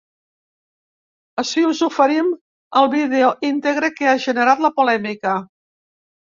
Ací us oferim el vídeo íntegre que ha generat la polèmica.